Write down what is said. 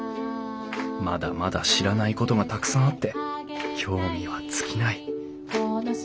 まだまだ知らないことがたくさんあって興味は尽きない。